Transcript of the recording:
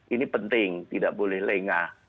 ini penting tidak boleh lengah